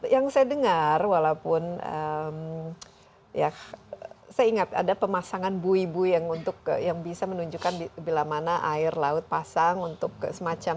yang saya dengar walaupun saya ingat ada pemasangan bui bui yang bisa menunjukkan bila mana air laut pasang untuk semacam